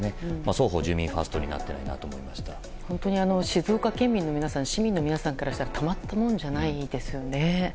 双方、住民ファーストになっていないなと本当に静岡県民市民の皆さんからしたらたまったものではないですね。